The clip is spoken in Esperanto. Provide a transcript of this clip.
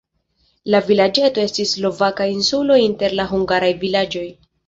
La vilaĝeto estis slovaka insulo inter la hungaraj vilaĝoj.